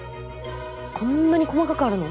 こんなに細かくあるの？